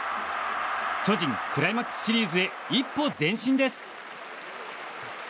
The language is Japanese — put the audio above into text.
巨人、クライマックスシリーズへ一歩、前進です。